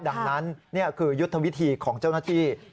ดังนั้นนี่คือยุทธวิธีของเจ้าหน้าที่